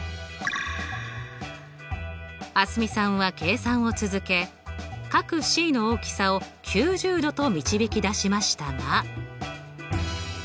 蒼澄さんは計算を続け角Ｃの大きさを９０°と導き出しましたが。